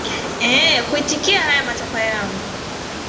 ee kuitikia haya matakwa yao